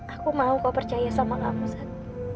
aku mau kau percaya sama kamu saat